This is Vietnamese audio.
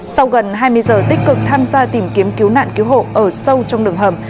sau gần hai mươi giờ tích cực tham gia tìm kiếm cứu nạn cứu hộ ở sâu trong đường hầm